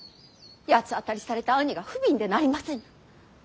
八つ当たりされた兄が不憫でなりません。